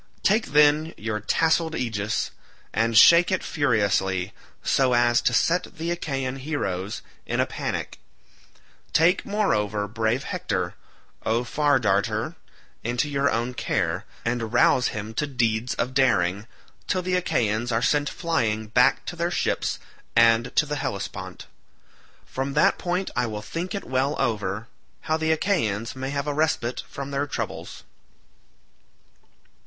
Take, then, your tasselled aegis, and shake it furiously, so as to set the Achaean heroes in a panic; take, moreover, brave Hector, O Far Darter, into your own care, and rouse him to deeds of daring, till the Achaeans are sent flying back to their ships and to the Hellespont. From that point I will think it well over, how the Achaeans may have a respite from their troubles."